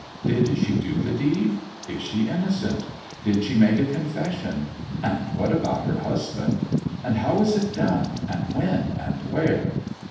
Did she do the deed? Is she innocent? Did she make a confession? And what about her husband? And how was it done, and when, and where?